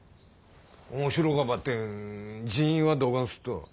面白かばってん人員はどがんすっと？